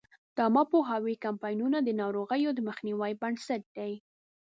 د عامه پوهاوي کمپاینونه د ناروغیو د مخنیوي بنسټ دی.